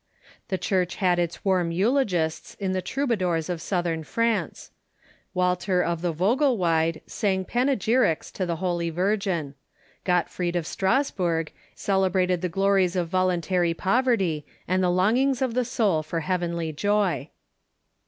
The Church had its warm eulogists in the troubadours of Southern France. Walter of the Vogelweide sang panegyrics to the Holy Virgin. Gottfried of Strasburg celebrated the glories of voluntary poverty and the longings of the soul for heav enly joy.